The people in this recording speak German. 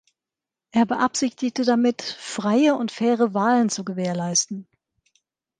Er beabsichtigte damit "„freie und faire“" Wahlen zu gewährleisten.